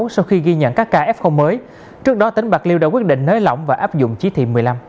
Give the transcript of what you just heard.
sau khi ghi nhận các kf mới trước đó tỉnh bạc liêu đã quyết định nới lỏng và áp dụng chí thị một mươi năm